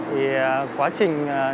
thì quá trình